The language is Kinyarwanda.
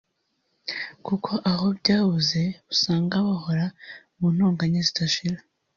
kuko aho byabuze usanga bahora mu ntonganya zidashira